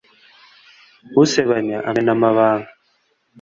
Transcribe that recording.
usebanya amena amabanga